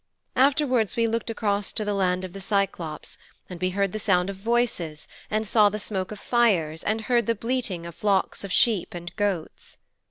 Afterwards we looked across to the land of the Cyclôpes, and we heard the sound of voices and saw the smoke of fires and heard the bleating of flocks of sheep and goats.'